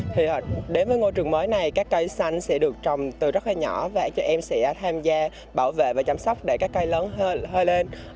thì đến với ngôi trường mới này các cây xanh sẽ được trồng từ rất là nhỏ và em sẽ tham gia bảo vệ và chăm sóc để các cây lớn hơn lên